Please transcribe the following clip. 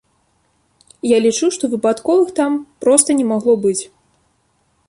Я лічу, што выпадковых там проста не магло быць.